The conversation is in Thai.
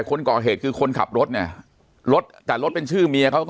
คนก่อเหตุคือคนขับรถเนี่ยรถแต่รถเป็นชื่อเมียเขาก็